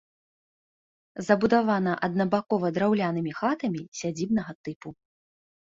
Забудавана аднабакова драўлянымі хатамі сядзібнага тыпу.